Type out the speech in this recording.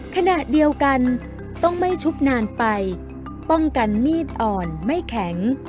ขณะเดียวกันต้องไม่ชุบนานไปป้องกันมีดอ่อนไม่แข็ง